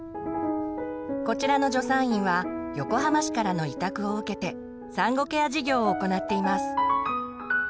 こちらの助産院は横浜市からの委託を受けて産後ケア事業を行っています。